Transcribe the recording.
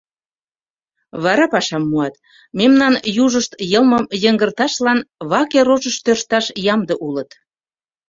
Вара пашам муат, мемнан южышт йылмым йыҥгырташлан ваке рожыш тӧршташ ямде улыт.